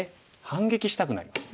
反撃したくなります。